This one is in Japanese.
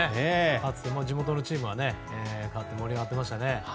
２つとも地元のチームが勝って盛り上がってましたね。